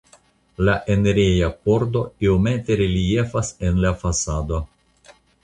La enireja pordo iomete reliefas en la fasado.